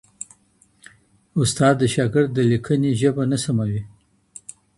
استاد د شاګرد د ليکني ژبه نه سموي.